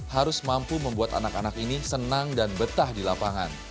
harus mampu membuat anak anak ini senang dan betah di lapangan